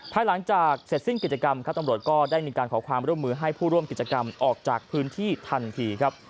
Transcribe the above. ภายหลังจากเสร็จสิ้นกิจกรรมครับตำรวจก็ได้มีการขอความร่วมมือให้ผู้ร่วมกิจกรรมออกจากพื้นที่ทันทีครับ